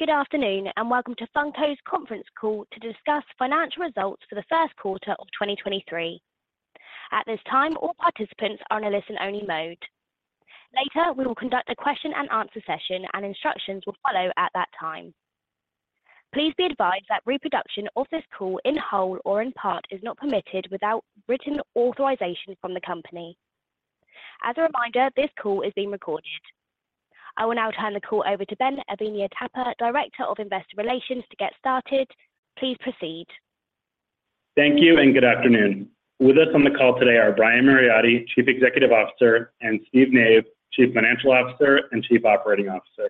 Good afternoon, and welcome to Funko's conference call to discuss financial results for the first quarter of 2023. At this time, all participants are on a listen-only mode. Later, we will conduct a question and answer session, and instructions will follow at that time. Please be advised that reproduction of this call in whole or in part is not permitted without written authorization from the company. As a reminder, this call is being recorded. I will now turn the call over to Ben Avenia-Tapper, Director of Investor Relations to get started. Please proceed. Thank you and good afternoon. With us on the call today are Brian Mariotti, Chief Executive Officer, and Steve Nave, Chief Financial Officer and Chief Operating Officer.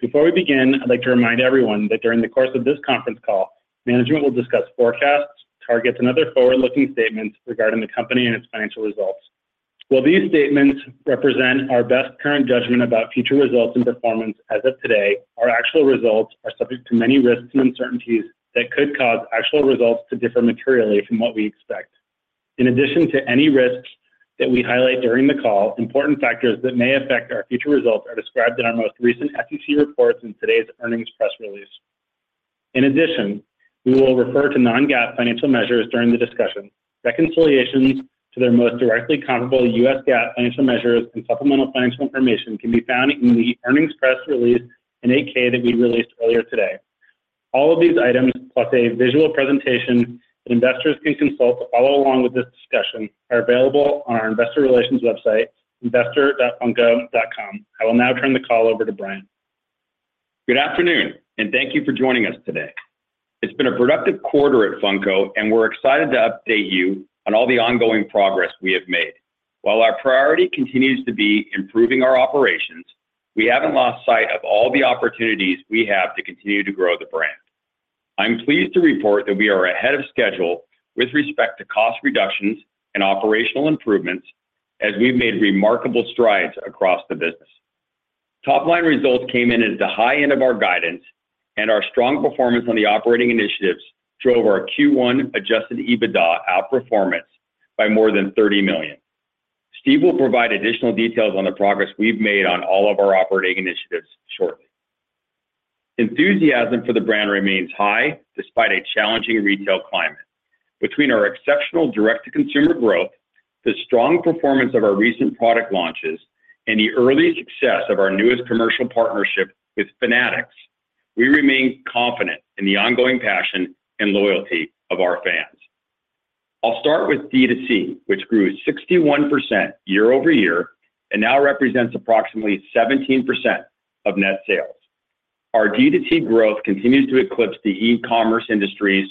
Before we begin, I'd like to remind everyone that during the course of this conference call, management will discuss forecasts, targets, and other forward-looking statements regarding the company and its financial results. While these statements represent our best current judgment about future results and performance as of today, our actual results are subject to many risks and uncertainties that could cause actual results to differ materially from what we expect. In addition to any risks that we highlight during the call, important factors that may affect our future results are described in our most recent SEC reports in today's earnings press release. In addition, we will refer to non-GAAP financial measures during the discussion. Reconciliations to their most directly comparable U.S. GAAP financial measures and supplemental financial information can be found in the earnings press release and 8-K that we released earlier today. All of these items, plus a visual presentation that investors can consult to follow along with this discussion, are available on our investor relations website, investor.funko.com. I will now turn the call over to Brian. Good afternoon, and thank you for joining us today. It's been a productive quarter at Funko, and we're excited to update you on all the ongoing progress we have made. While our priority continues to be improving our operations, we haven't lost sight of all the opportunities we have to continue to grow the brand. I'm pleased to report that we are ahead of schedule with respect to cost reductions and operational improvements as we've made remarkable strides across the business. Top-line results came in at the high end of our guidance and our strong performance on the operating initiatives drove our Q1 Adjusted EBITDA outperformance by more than $30 million. Steve will provide additional details on the progress we've made on all of our operating initiatives shortly. Enthusiasm for the brand remains high despite a challenging retail climate. Between our exceptional direct-to-consumer growth, the strong performance of our recent product launches, and the early success of our newest commercial partnership with Fanatics, we remain confident in the ongoing passion and loyalty of our fans. I'll start with D2C, which grew 61% year-over-year and now represents approximately 17% of net sales. Our D2C growth continues to eclipse the e-commerce industry's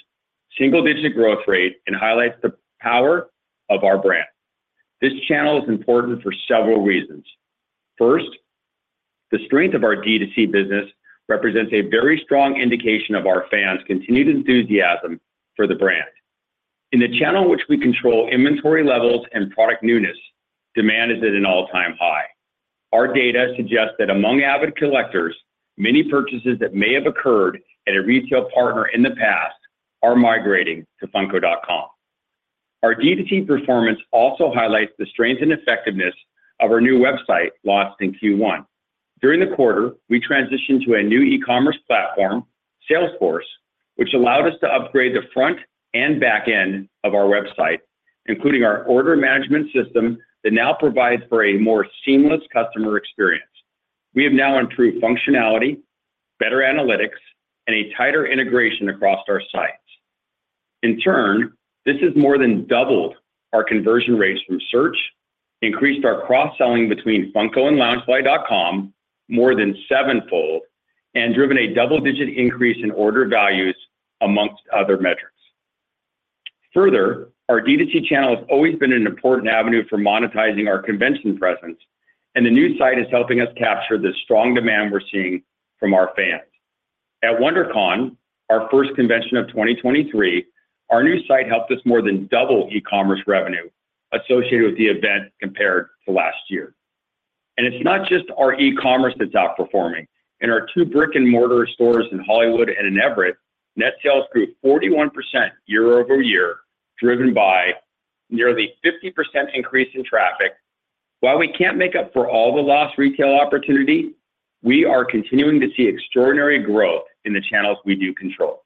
single-digit growth rate and highlights the power of our brand. This channel is important for several reasons. First, the strength of our D2C business represents a very strong indication of our fans' continued enthusiasm for the brand. In the channel which we control inventory levels and product newness, demand is at an all-time high. Our data suggests that among avid collectors, many purchases that may have occurred at a retail partner in the past are migrating to funko.com. Our D2C performance also highlights the strength and effectiveness of our new website launched in Q1. During the quarter, we transitioned to a new e-commerce platform, Salesforce, which allowed us to upgrade the front and back end of our website, including our order management system that now provides for a more seamless customer experience. We have now improved functionality, better analytics, and a tighter integration across our sites. In turn, this has more than doubled our conversion rates from search, increased our cross-selling between Funko and Loungefly.com more than sevenfold, and driven a double-digit increase in order values amongst other metrics. Further, our D2C channel has always been an important avenue for monetizing our convention presence, and the new site is helping us capture the strong demand we're seeing from our fans. At WonderCon, our first convention of 2023, our new site helped us more than double e-commerce revenue associated with the event compared to last year. It's not just our e-commerce that's outperforming. In our two brick-and-mortar stores in Hollywood and in Everett, net sales grew 41% year-over-year, driven by nearly 50% increase in traffic. While we can't make up for all the lost retail opportunity, we are continuing to see extraordinary growth in the channels we do control.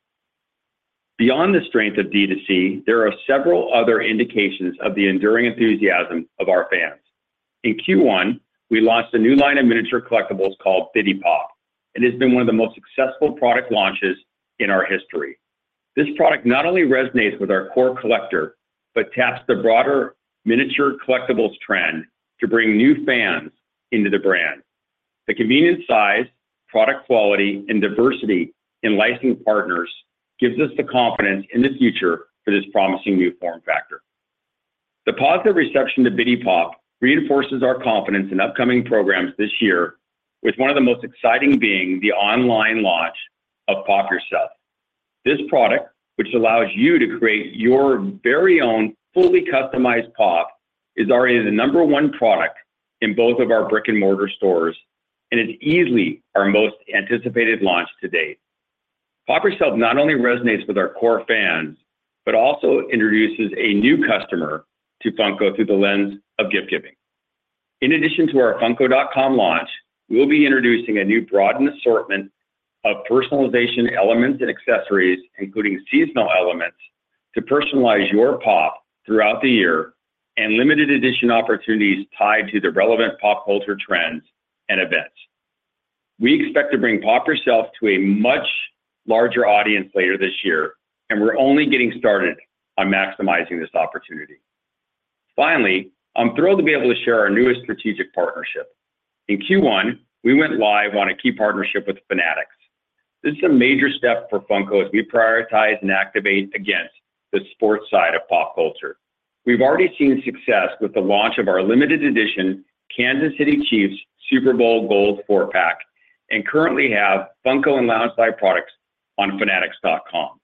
Beyond the strength of D2C, there are several other indications of the enduring enthusiasm of our fans. In Q1, we launched a new line of miniature collectibles called Bitty Pop. It has been one of the most successful product launches in our history. This product not only resonates with our core collector, but taps the broader miniature collectibles trend to bring new fans into the brand. The convenient size, product quality, and diversity in licensed partners gives us the confidence in the future for this promising new form factor. The positive reception to Bitty Pop reinforces our confidence in upcoming programs this year, with one of the most exciting being the online launch POP! Yourself. this product, which allows you to create your very own fully customized Pop, is already the number one product in both of our brick-and-mortar stores and is easily our most anticipated launch date. POP! Yourself not only resonates with our core fans but also introduces a new customer to Funko through the lens of gift-giving. In addition to our funko.com launch, we will be introducing a new broadened assortment of personalization elements and accessories, including seasonal elements to personalize your Pop throughout the year and limited edition opportunities tied to the relevant pop culture trends and events. We expect to bring POP! Yourself to a much larger audience later this year, and we're only getting started on maximizing this opportunity. Finally, I'm thrilled to be able to share our newest strategic partnership. In Q1, we went live on a key partnership with Fanatics. This is a major step for Funko as we prioritize and activate against the sports side of pop culture. We've already seen success with the launch of our limited edition Kansas City Chiefs Super Bowl GOLD four-pack and currently have Funko and Loungefly products on fanatics.com.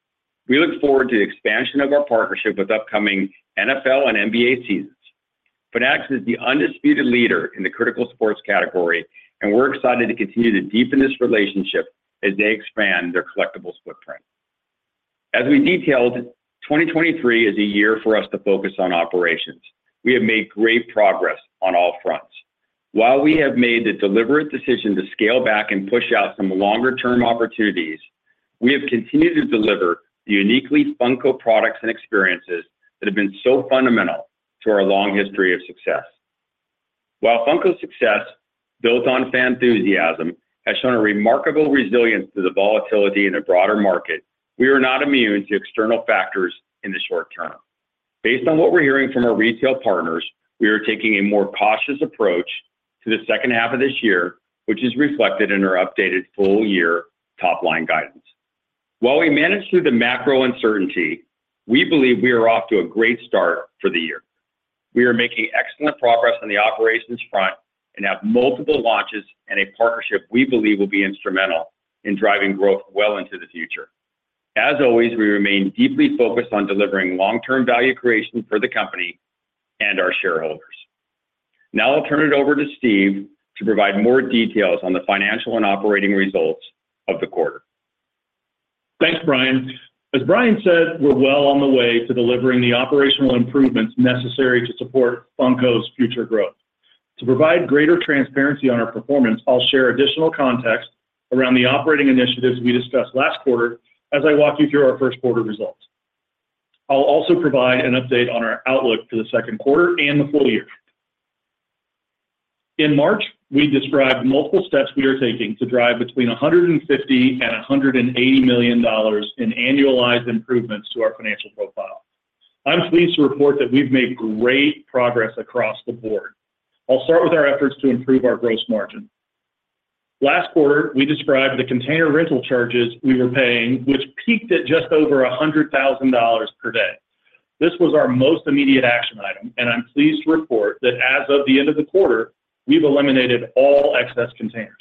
We look forward to the expansion of our partnership with upcoming NFL and NBA seasons. Fanatics is the undisputed leader in the critical sports category, and we're excited to continue to deepen this relationship as they expand their collectibles footprint. As we detailed, 2023 is a year for us to focus on operations. We have made great progress on all fronts. While we have made the deliberate decision to scale back and push out some longer-term opportunities, we have continued to deliver the uniquely Funko products and experiences that have been so fundamental to our long history of success. While Funko's success built on fan enthusiasm has shown a remarkable resilience to the volatility in the broader market, we are not immune to external factors in the short term. Based on what we're hearing from our retail partners, we are taking a more cautious approach to the second half of this year, which is reflected in our updated full-year top-line guidance. While we manage through the macro uncertainty, we believe we are off to a great start for the year. We are making excellent progress on the operations front and have multiple launches and a partnership we believe will be instrumental in driving growth well into the future. As always, we remain deeply focused on delivering long-term value creation for the company and our shareholders. I'll turn it over to Steve to provide more details on the financial and operating results of the quarter. Thanks, Brian. As Brian said, we're well on the way to delivering the operational improvements necessary to support Funko's future growth. To provide greater transparency on our performance, I'll share additional context around the operating initiatives we discussed last quarter as I walk you through our first quarter results. I'll also provide an update on our outlook for the second quarter and the full year. In March, we described multiple steps we are taking to drive between $150 million and $180 million in annualized improvements to our financial profile. I'm pleased to report that we've made great progress across the board. I'll start with our efforts to improve our gross margin. Last quarter, we described the container rental charges we were paying, which peaked at just over $100,000 per day. This was our most immediate action item, and I'm pleased to report that as of the end of the quarter, we've eliminated all excess containers.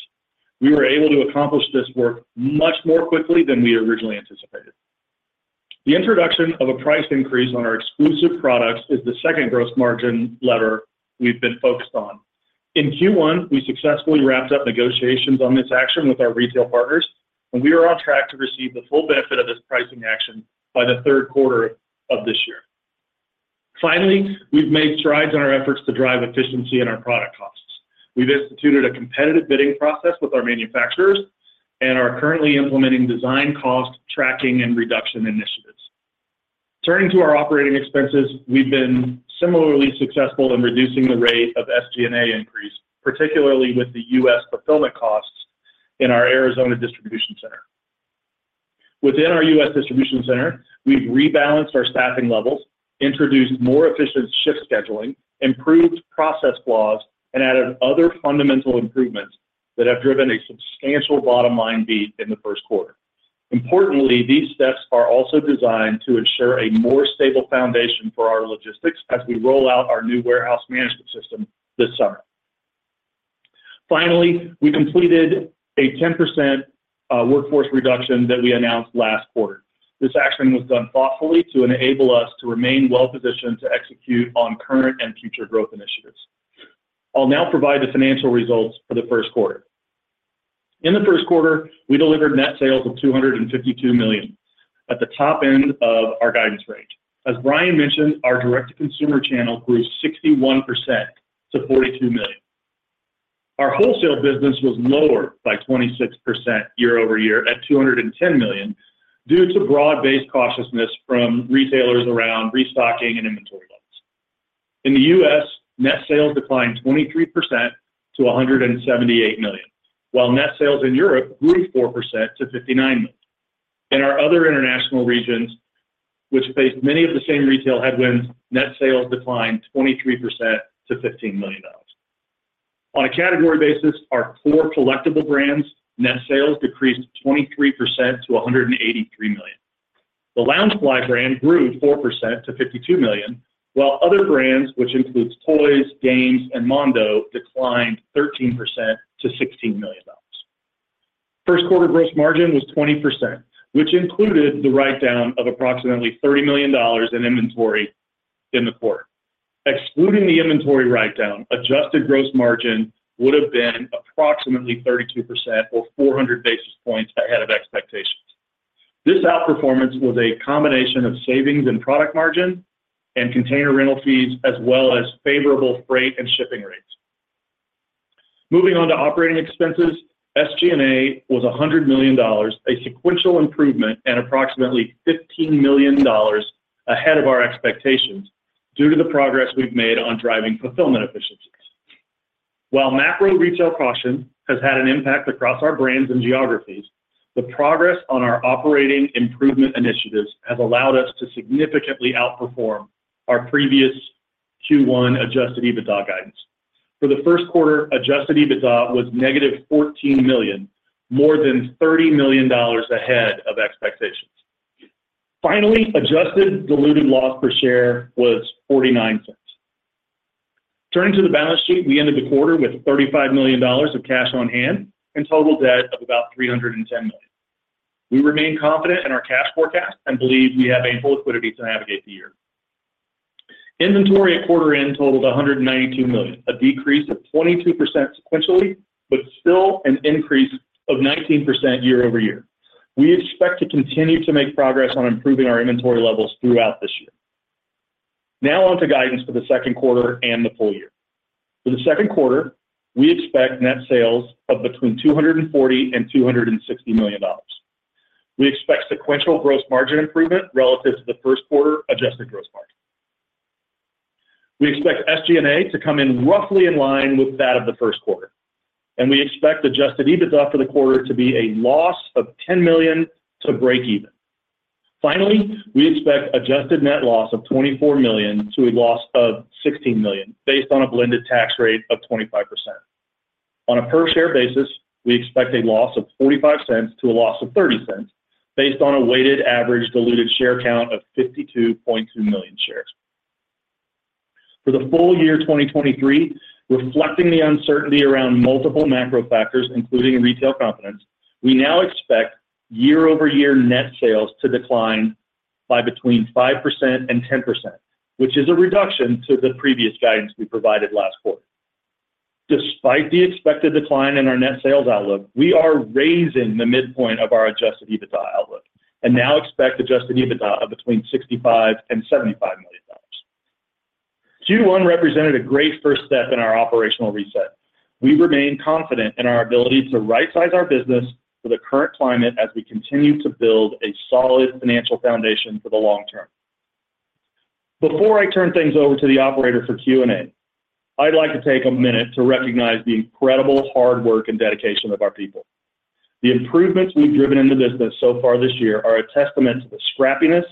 We were able to accomplish this work much more quickly than we originally anticipated. The introduction of a price increase on our exclusive products is the second gross margin lever we've been focused on. In Q1, we successfully wrapped up negotiations on this action with our retail partners, and we are on track to receive the full benefit of this pricing action by the third quarter of this year. Finally, we've made strides in our efforts to drive efficiency in our product costs. We've instituted a competitive bidding process with our manufacturers and are currently implementing design cost tracking and reduction initiatives. Turning to our operating expenses, we've been similarly successful in reducing the rate of SG&A increase, particularly with the U.S. fulfillment costs in our Arizona distribution center. Within our U.S. distribution center, we've rebalanced our staffing levels, introduced more efficient shift scheduling, improved process flows, and added other fundamental improvements that have driven a substantial bottom-line beat in the first quarter. Importantly, these steps are also designed to ensure a more stable foundation for our logistics as we roll out our new warehouse management system this summer. Finally, we completed a 10% workforce reduction that we announced last quarter. This action was done thoughtfully to enable us to remain well-positioned to execute on current and future growth initiatives. I'll now provide the financial results for the first quarter. In the first quarter, we delivered net sales of $252 million at the top end of our guidance range. As Brian mentioned, our direct-to-consumer channel grew 61% to $42 million. Our wholesale business was lower by 26% year-over-year at $210 million due to broad-based cautiousness from retailers around restocking and inventory levels. In the U.S., net sales declined 23% to $178 million, while net sales in Europe grew 4% to $59 million. In our other international regions, which faced many of the same retail headwinds, net sales declined 23% to $15 million. On a category basis, our core collectible brands' net sales decreased 23% to $183 million. The Loungefly brand grew 4% to $52 million, while other brands, which includes toys, games, and Mondo, declined 13% to $16 million. First quarter gross margin was 20%, which included the write-down of approximately $30 million in inventory in the quarter. Excluding the inventory write-down, Adjusted gross margin would have been approximately 32% or 400 basis points ahead of expectations. This outperformance was a combination of savings and product margin and container rental fees as well as favorable freight and shipping rates. Moving on to operating expenses, SG&A was $100 million, a sequential improvement and approximately $15 million ahead of our expectations due to the progress we've made on driving fulfillment efficiencies. While macro retail caution has had an impact across our brands and geographies, the progress on our operating improvement initiatives has allowed us to significantly outperform our previous Q1 Adjusted EBITDA guidance. For the first quarter, Adjusted EBITDA was negative $14 million, more than $30 million ahead of expectations. Finally, adjusted diluted loss per share was $0.49. Turning to the balance sheet, we ended the quarter with $35 million of cash on hand and total debt of about $310 million. We remain confident in our cash forecast and believe we have a full liquidity to navigate the year. Inventory at quarter end totaled $192 million, a decrease of 22% sequentially, still an increase of 19% year-over-year. We expect to continue to make progress on improving our inventory levels throughout this year. Now on to guidance for the second quarter and the full year. For the second quarter, we expect net sales of between $240 million and $260 million. We expect sequential gross margin improvement relative to the first quarter adjusted gross margin. We expect SG&A to come in roughly in line with that of the first quarter, and we expect Adjusted EBITDA for the quarter to be a loss of $10 million to breakeven. Finally, we expect adjusted net loss of $24 million to a loss of $16 million based on a blended tax rate of 25%. On a per share basis, we expect a loss of $0.45 to a loss of $0.30 based on a weighted average diluted share count of 52.2 million shares. For the full year 2023, reflecting the uncertainty around multiple macro factors, including retail confidence, we now expect year-over-year net sales to decline by between 5% and 10%, which is a reduction to the previous guidance we provided last quarter. Despite the expected decline in our net sales outlook, we are raising the midpoint of our Adjusted EBITDA outlook and now expect Adjusted EBITDA of between $65 million and $75 million. Q1 represented a great first step in our operational reset. We remain confident in our ability to right size our business for the current climate as we continue to build a solid financial foundation for the long term. Before I turn things over to the operator for Q&A, I'd like to take a minute to recognize the incredible hard work and dedication of our people. The improvements we've driven in the business so far this year are a testament to the scrappiness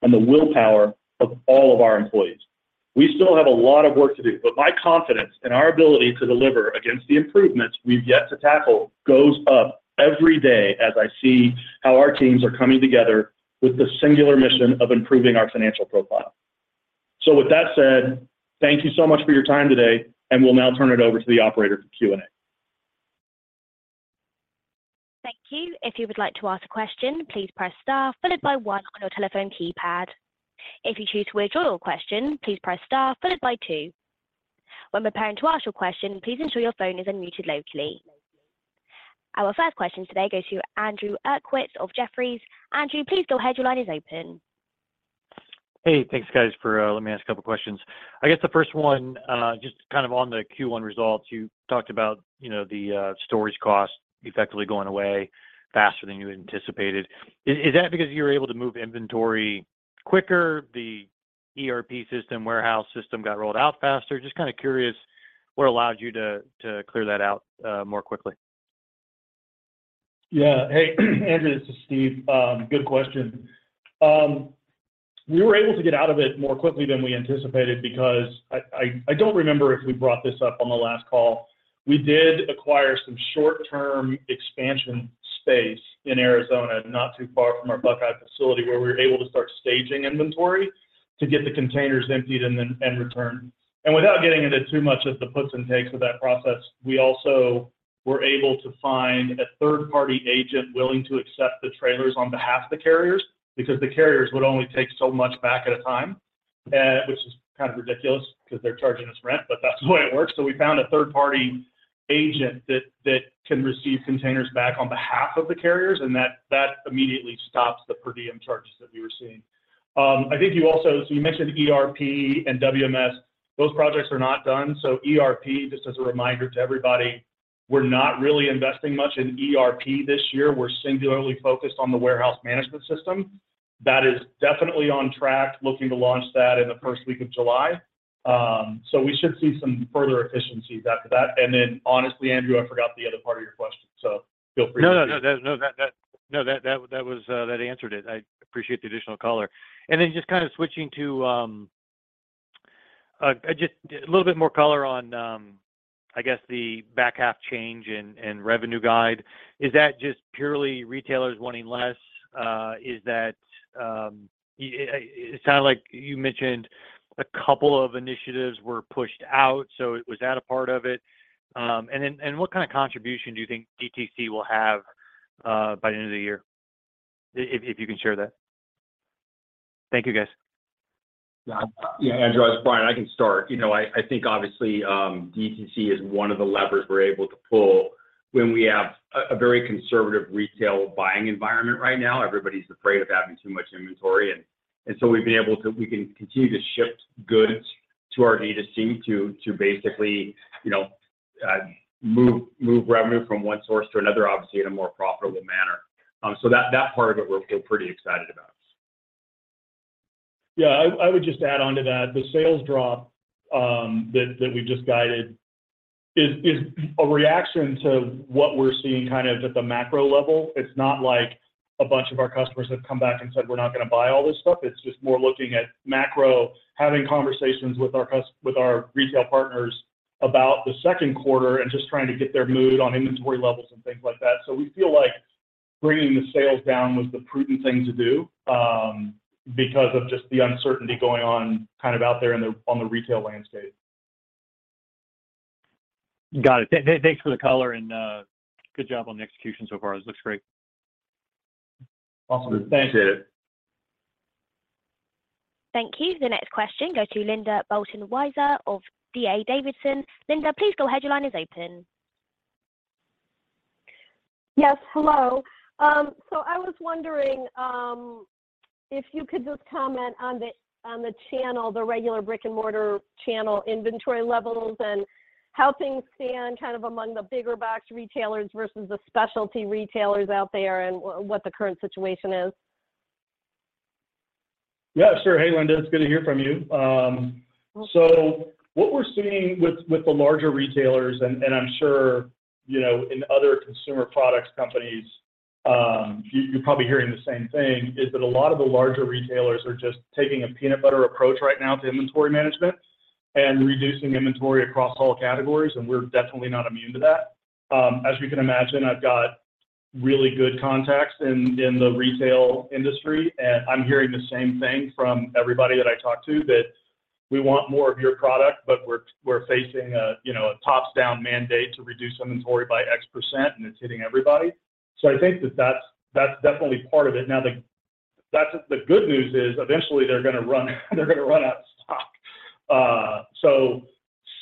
and the willpower of all of our employees. We still have a lot of work to do, but my confidence in our ability to deliver against the improvements we've yet to tackle goes up every day as I see how our teams are coming together with the singular mission of improving our financial profile. With that said, thank you so much for your time today, and we'll now turn it over to the operator for Q&A. Thank you. If you would like to ask a question, please press star followed by one on your telephone keypad. If you choose to withdraw your question, please press star followed by two. When preparing to ask your question, please ensure your phone is unmuted locally. Our first question today goes to Andrew Uerkwitz of Jefferies. Andrew, please go ahead. Your line is open. Hey, thanks guys for letting me ask a couple questions. I guess the first one, just kind of on the Q1 results, you talked about, you know, the storage costs effectively going away faster than you anticipated. Is that because you were able to move inventory quicker? The ERP system, warehouse system got rolled out faster? Just kinda curious what allowed you to clear that out more quickly. Hey, Andrew, this is Steve. Good question. We were able to get out of it more quickly than we anticipated because I don't remember if we brought this up on the last call. We did acquire some short-term expansion space in Arizona, not too far from our Buckeye facility, where we were able to start staging inventory to get the containers emptied and then, and returned. Without getting into too much of the puts and takes of that process, we also were able to find a third-party agent willing to accept the trailers on behalf of the carriers because the carriers would only take so much back at a time. Which is kind of ridiculous because they're charging us rent, but that's the way it works. We found a third-party agent that can receive containers back on behalf of the carriers, and that immediately stops the per diem charges that we were seeing. I think you mentioned ERP and WMS. Those projects are not done. ERP, just as a reminder to everybody, we're not really investing much in ERP this year. We're singularly focused on the warehouse management system. That is definitely on track, looking to launch that in the first week of July. We should see some further efficiencies after that. Honestly, Andrew, I forgot the other part of your question, so feel free to repeat. No, that, no, that was that answered it. I appreciate the additional color. Just kind of switching to just a little bit more color on I guess the back half change in in revenue guide. Is that just purely retailers wanting less? Is that It sounded like you mentioned a couple of initiatives were pushed out, so was that a part of it? What kind of contribution do you think DTC will have by the end of the year? If you can share that. Thank you, guys. Yeah. Yeah, Andrew, it's Brian. I can start. You know, I think obviously, DTC is one of the levers we're able to pull when we have a very conservative retail buying environment right now. Everybody's afraid of having too much inventory and so we can continue to ship goods to our DTC to basically, you know, move revenue from one source to another, obviously in a more profitable manner. That part of it we're feel pretty excited about. Yeah. I would just add onto that. The sales drop we just guided is a reaction to what we're seeing kind of at the macro level. It's not like a bunch of our customers have come back and said, "We're not gonna buy all this stuff." It's just more looking at macro, having conversations with our retail partners about the second quarter and just trying to get their mood on inventory levels and things like that. We feel like bringing the sales down was the prudent thing to do because of just the uncertainty going on kind of out there on the retail landscape. Got it. Thanks for the color and, good job on the execution so far. This looks great. Awesome. Thank you. Appreciate it. Thank you. The next question go to Linda Bolton-Weiser of D.A. Davidson. Linda, please go ahead. Your line is open. Yes, hello. I was wondering, if you could just comment on the channel, the regular brick-and-mortar channel inventory levels and how things stand kind of among the bigger box retailers versus the specialty retailers out there and what the current situation is? Yeah, sure. Hey, Linda, it's good to hear from you. What we're seeing with the larger retailers and I'm sure you know, in other consumer products companies, you're probably hearing the same thing, is that a lot of the larger retailers are just taking a peanut butter approach right now to inventory management and reducing inventory across all categories, and we're definitely not immune to that. As we can imagine, I've got really good contacts in the retail industry, and I'm hearing the same thing from everybody that I talk to, that we want more of your product, but we're facing a, you know, a tops-down mandate to reduce inventory by X percent and it's hitting everybody. I think that that's definitely part of it. Now, the... The good news is eventually they're gonna run out of stock.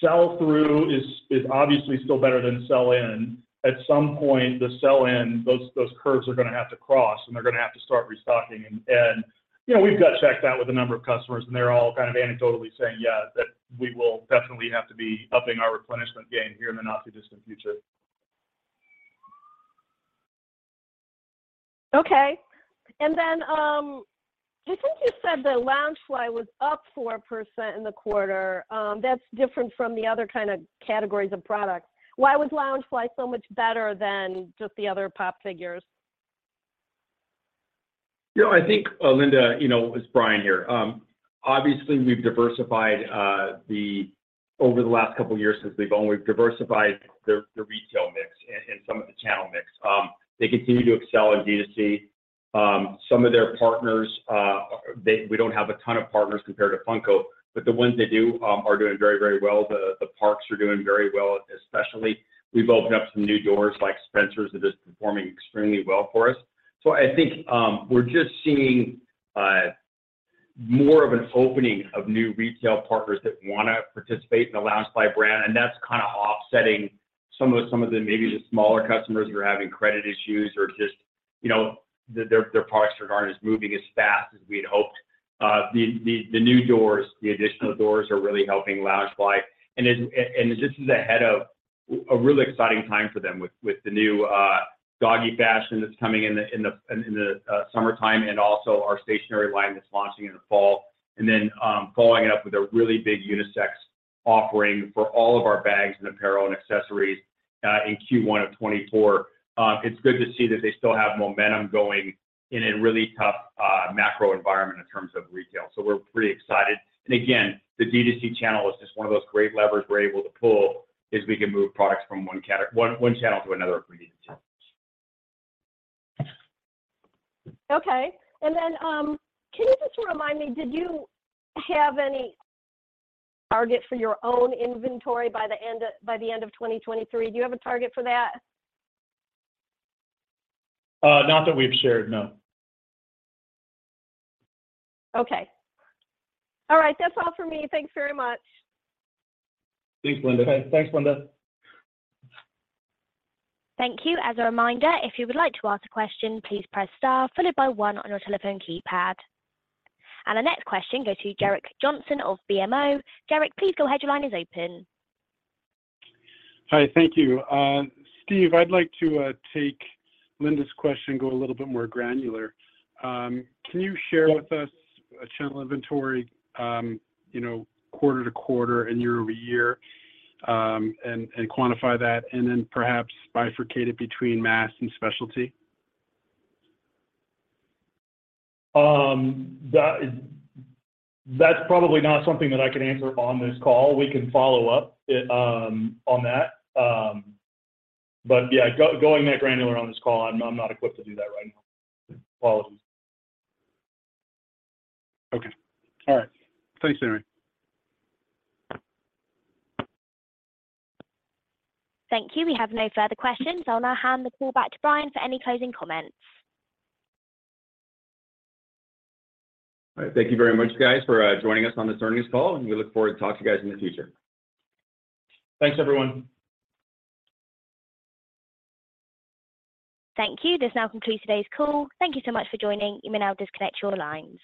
Sell-through is obviously still better than sell-in. At some point, the sell-in, those curves are gonna have to cross, and they're gonna have to start restocking and, you know, we've cross-checked that with a number of customers, and they're all kind of anecdotally saying, yeah, that we will definitely have to be upping our replenishment game here in the not-too-distant future. Okay. I think you said that Loungefly was up 4% in the quarter. That's different from the other kind of categories of products. Why was Loungefly so much better than just the other Pop! figures? You know, I think, Linda, you know, it's Brian here. Obviously we've diversified the over the last couple of years since we've owned, we've diversified the retail mix and some of the channel mix. They continue to excel in DTC. Some of their partners, we don't have a ton of partners compared to Funko, but the ones they do, are doing very, very well. The parks are doing very well, especially. We've opened up some new doors like Spencer's that is performing extremely well for us. I think, we're just seeing more of an opening of new retail partners that wanna participate in the Loungefly brand, and that's kinda offsetting some of the maybe the smaller customers who are having credit issues or just, you know, their products just aren't as moving as fast as we'd hoped. The new doors, the additional doors are really helping Loungefly. It just is ahead of a really exciting time for them with the new doggy fashion that's coming in the summertime and also our stationary line that's launching in the fall, following it up with a really big unisex offering for all of our bags and apparel and accessories in Q1 of 2024. It's good to see that they still have momentum going in a really tough macro environment in terms of retail, so we're pretty excited. Again, the DTC channel is just one of those great levers we're able to pull, is we can move products from one channel to another if we need to. Okay. Can you just remind me, did you have any target for your own inventory by the end of, by the end of 2023? Do you have a target for that? Not that we've shared, no. Okay. All right. That's all for me. Thanks very much. Thanks, Linda. Thanks, Linda. Thank you. As a reminder, if you would like to ask a question, please press star followed by one on your telephone keypad. The next question goes to Gerrick Johnson of BMO. Gerrick, please go ahead. Your line is open. Hi. Thank you. Steve, I'd like to take Linda's question and go a little bit more granular. Can you share with us channel inventory, you know, quarter-to-quarter and year-over-year, and quantify that, and then perhaps bifurcate it between mass and specialty? That's probably not something that I can answer on this call. We can follow up, on that. Yeah, going that granular on this call, I'm not equipped to do that right now. Apologies. Okay. All right. Thanks anyway. Thank you. We have no further questions. I'll now hand the call back to Brian for any closing comments. All right. Thank you very much, guys, for joining us on this earnings call, and we look forward to talking to you guys in the future. Thanks, everyone. Thank you. This now concludes today's call. Thank you so much for joining. You may now disconnect your lines.